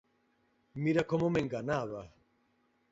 Mira como me enganaba!